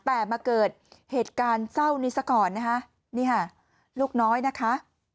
แต่มาเกิดเหตุการณ์เศร้านี้ซะก่อนนะคะนี่ค่ะลูกน้อยนะคะ